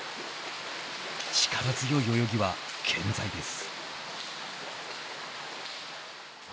力強い泳ぎは健在です。